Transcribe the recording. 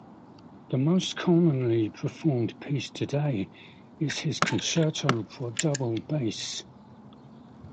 The most commonly performed piece today is his concerto for double bass.